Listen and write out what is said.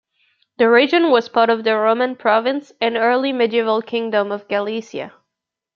The region was part of the Roman Province and early medieval Kingdom of Gallaecia.